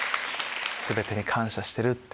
全てに感謝してるって。